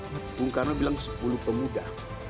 bukan karena bilang sepuluh pemuda